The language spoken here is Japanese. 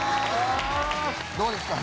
どうですか？